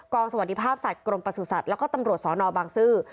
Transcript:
สวัสดีภาพสัตว์กรมประสุทธิ์แล้วก็ตำรวจสนบางซื่อ